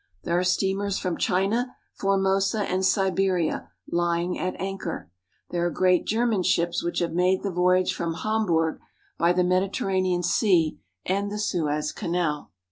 There are steamers from China, Formosa, and Siberia lying at anchor. There are great German ships which have made the voyage from Hamburg by the Mediterranean Sea and the Suez Canal.